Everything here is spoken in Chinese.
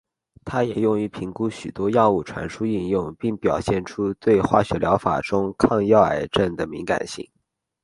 它也用于评估许多药物传输应用并表现出对化学疗法中抗药癌症的敏感性。